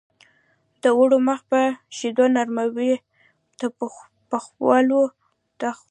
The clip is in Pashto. د اوړو مخ په شیدو نرموي د پخولو دمخه.